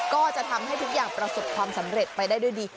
ก็จะทำให้ทุกอย่างประสบความสำเร็จไปได้ด้วยดี